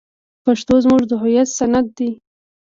پښتو زموږ د هویت سند دی.